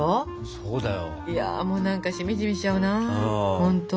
いや何かしみじみしちゃうな本当。